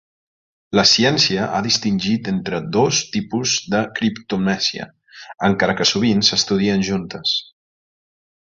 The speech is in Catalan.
La ciència ha distingit entre dos tipus de criptomnesia, encara que sovint s'estudien juntes.